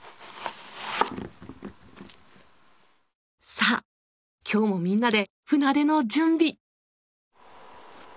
さあ今日もみんなで船出の準備！